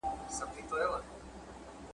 بې هدفه مسافر یمه روان یم !.